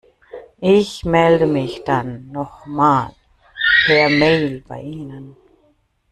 Ich melde mich dann noch mal per Mail bei Ihnen.